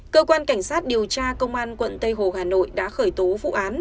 cơ quan cảnh sát điều tra công an quận tây hồ hà nội đã khởi tố vụ án